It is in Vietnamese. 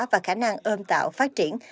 và khả năng ôm tạo phát triển